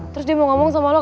terus dia mau ngomong sama lo